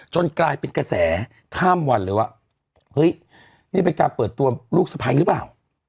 กลายเป็นกระแสข้ามวันเลยว่าเฮ้ยนี่เป็นการเปิดตัวลูกสะพ้ายหรือเปล่า